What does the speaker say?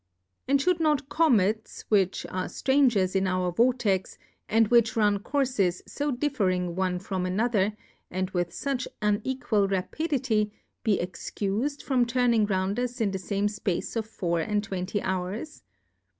And fhould not Comets, which are Strangers in our Vortex, and which run Courfes fo differing one from another, and with fuch Plurality ^/WORLDS. 177 fuch unequal Rapidity, be excusM from turning round us in the fame Space of four and twenty Hours